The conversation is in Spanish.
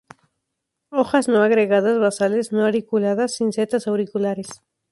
Hojas no agregadas basales; no auriculadas; sin setas auriculares.